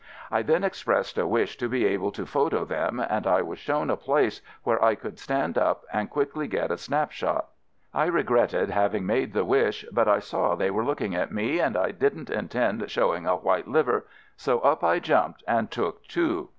I then expressed a wish to be able to photo them, and I was shown a place where I could stand up and quickly get a snap shot. I regretted having made the wish, but I saw they were looking at me, and I did n't intend showing a white liver, so up I jumped and took two.